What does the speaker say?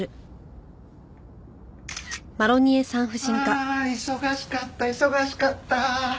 ああ忙しかった忙しかった！